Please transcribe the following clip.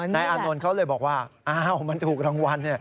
อานนท์เขาเลยบอกว่าอ้าวมันถูกรางวัล